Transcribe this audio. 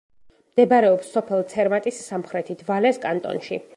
მდებარეობს სოფელ ცერმატის სამხრეთით, ვალეს კანტონში.